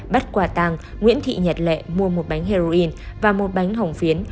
bắt quả tàng nguyễn thị nhật lệ mua một bánh heroin và một bánh hồng phiến